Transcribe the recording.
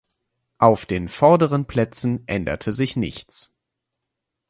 Auf den vorderen Plätzen änderte sich nichts.